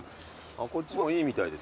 こっちもいいみたいですよ。